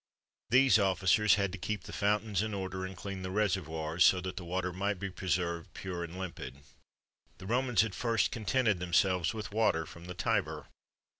These officers had to keep the fountains in order and clean the reservoirs,[XXV 11] so that the water might be preserved pure and limpid. The Romans at first contented themselves with water from the Tiber.